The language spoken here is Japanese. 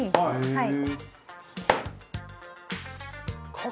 はい。